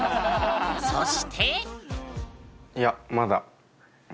そして。